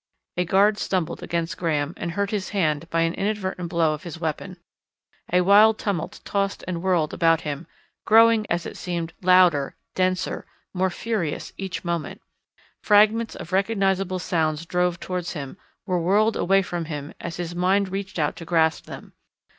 A guard stumbled against Graham and hurt his hand by an inadvertent blow of his weapon. A wild tumult tossed and whirled about him, growing, as it seemed, louder, denser, more furious each moment. Fragments of recognisable sounds drove towards him, were whirled away from him as his mind reached out to grasp them.